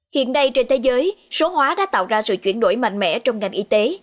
hiện nay trên thế giới số hóa đã tạo ra sự chuyển đổi mạnh mẽ trong ngành y tế